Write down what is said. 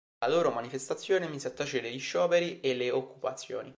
La loro manifestazione mise a tacere gli scioperi e le occupazioni.